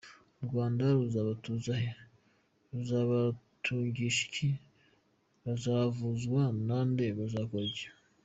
U Rwanda ruzabatuza he, ruzabatungisha iki, bazavuzwa na nde, bazakora iki …?